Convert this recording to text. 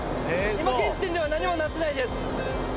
今現時点では何もなってないです。